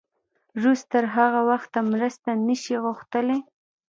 روس تر هغه وخته مرسته نه شي غوښتلی.